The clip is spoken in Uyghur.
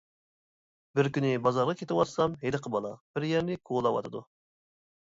بىر كۈنى بازارغا كېتىۋاتسام، ھېلىقى بالا بىر يەرنى كولاۋاتىدۇ.